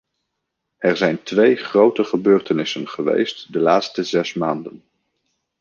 Er zijn twee grote gebeurtenissen geweest de laatste zes maanden.